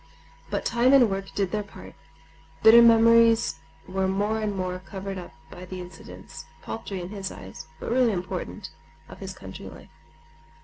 But time and work did their part. Bitter memories were more and more covered up by the incidents—paltry in his eyes, but really important—of his country life.